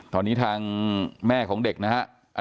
ตอนนี้ทางแม่ของเด็กนะฮะ